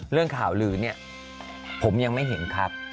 เรื่องข่าวลือเนี่ยผมยังไม่เห็นครับ